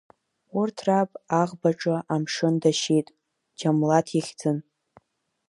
Урҭ раб аӷбаҿы амшын дашьит, Џьамлаҭ ихьӡын.